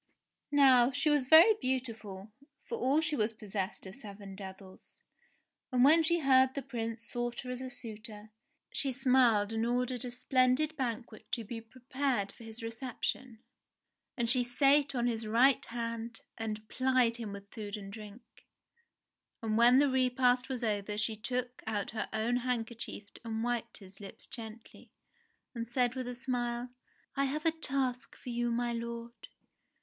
Now she was very beautiful, for all she was possessed of seven devils, and when she heard the Prince sought her as a suitor, she smiled and ordered a splendid banquet to be prepared for his reception. And she sate on his right hand, and plied him with food and drink. And when the repast was over she took out her own handkerchief and wiped his lips gently, and said with a smile : "I have a task for you, my lord